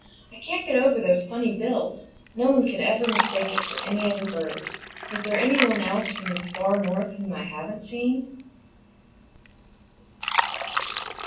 I can't get over those funny bills. No one could ever mistake it for any other bird. Is there anyone else now from the Far North whom I haven't seen?"